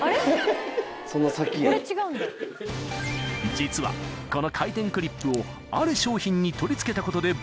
［実はこの回転クリップをある商品に取り付けたことで爆売れ］